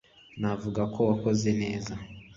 navuga ko wakoze neza